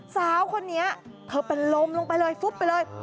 สาวคนนี้เธอเป็นลมลงไปเลยฟุบไปเลย